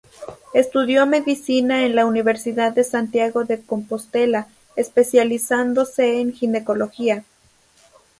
Estudió Medicina en la Universidad de Santiago de Compostela, especializándose en Ginecología.